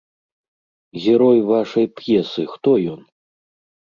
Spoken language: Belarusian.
Герой вашай п'есы, хто ён?